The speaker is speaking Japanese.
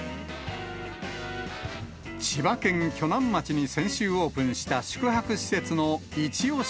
千葉県鋸南町に先週オープンした宿泊施設の一押し